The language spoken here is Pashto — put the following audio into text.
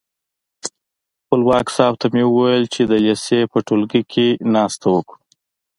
خپلواک صاحب ته مې وویل چې د لېسې په ټولګي کې ناسته وکړو.